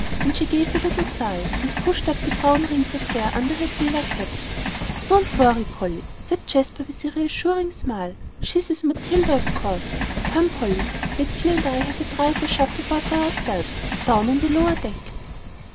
And she gave a little sigh, and pushed up the brown rings of hair under her sailor cap. "Don't worry, Polly," said Jasper, with a reassuring smile. "She's with Matilda, of course. Come, Polly, let's you and I have a try at the shuffle board by ourselves, down on the lower deck."